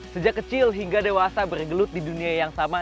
sejak kecil hingga dewasa bergelut di dunia yang sama